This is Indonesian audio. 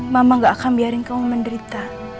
mama gak akan biarin kamu menderita